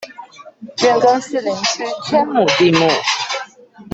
變更士林區天母地目